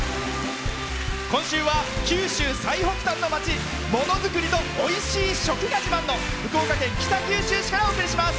今週は九州最北端の町ものづくりとおいしい食が自慢の福岡県北九州市からお送りします。